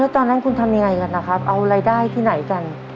ตอนนั้นคุณทำยังไงกันนะครับเอารายได้ที่ไหนกัน